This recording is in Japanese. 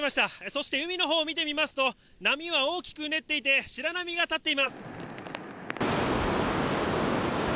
そして、海のほうを見てみますと波は大きくうねっていて白波が立っています。